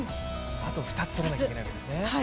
あと２つ取らなきゃいけないですね